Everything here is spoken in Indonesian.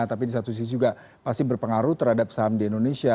tapi di satu sisi juga pasti berpengaruh terhadap saham di indonesia